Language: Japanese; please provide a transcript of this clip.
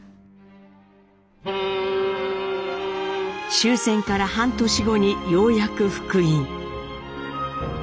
終戦から半年後にようやく復員。